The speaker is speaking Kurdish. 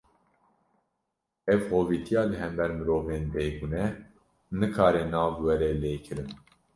Ev hovîtiya li hember mirovên bêguneh, nikare nav were lê kirin